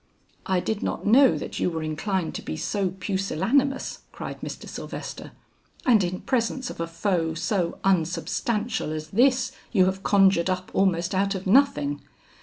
"I did not know that you were inclined to be so pusillanimous," cried Mr. Sylvester; "and in presence of a foe so unsubstantial as this you have conjured up almost out of nothing.